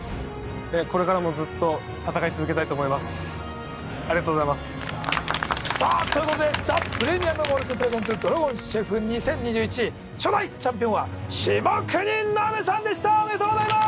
これからもずっと戦い続けたいと思いますありがとうございますさあということでザ・プレミアム・モルツｐｒｅｓｅｎｔｓ初代チャンピオンは下國伸さんでしたおめでとうございます！